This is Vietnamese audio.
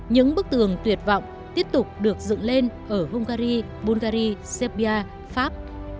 những bức tường tuyệt vọng tiếp tục được dựng lên ở hungary bungary serbia pháp